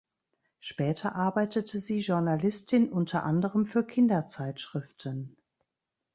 Später arbeitete sie Journalistin unter anderem für Kinderzeitschriften.